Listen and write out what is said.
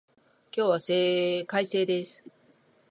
今日は快晴です